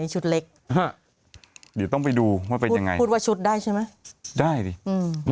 ชุดเล็กฮะเดี๋ยวต้องไปดูว่าเป็นยังไงพูดว่าชุดได้ใช่ไหมได้ดิอืม